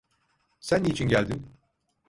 Sen niçin geldin?